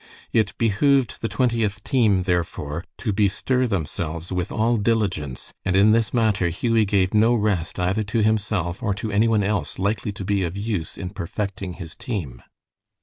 It behooved the Twentieth team, therefore, to bestir themselves with all diligence, and in this matter Hughie gave no rest either to himself or to any one else likely to be of use in perfecting his team.